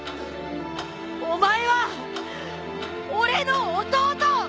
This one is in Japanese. お前は俺の弟！